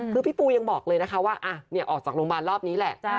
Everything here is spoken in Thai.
คือพี่ปูยังบอกเลยนะคะว่าออกจากโรงพยาบาลรอบนี้แหละ